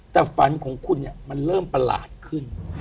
แต่ฝันของคุณเนี่ยมันเริ่มประหลาดขึ้น